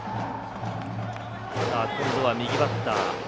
今度は右バッター。